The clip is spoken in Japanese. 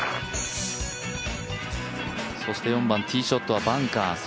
そして４番、ティーショットはバンカー。